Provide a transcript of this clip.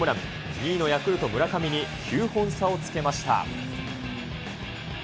２位のヤクルト、村上に９本差をつけました。